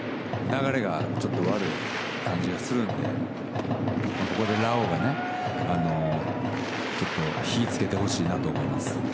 流れがちょっと悪い感じがするのでここでラオウがね、ちょっと火を付けてほしいなと思います。